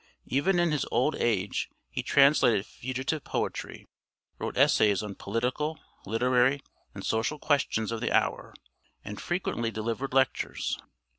Even in his old age he translated fugitive poetry, wrote essays on political, literary, and social questions of the hour, and frequently delivered lectures.